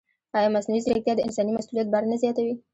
ایا مصنوعي ځیرکتیا د انساني مسؤلیت بار نه زیاتوي؟